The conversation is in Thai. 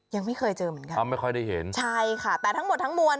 ยังไม่เคยเจอเหมือนกันอ้าวไม่ค่อยได้เห็นใช่ค่ะแต่ทั้งหมดทั้งมวล